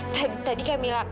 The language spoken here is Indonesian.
tadi tadi kak mila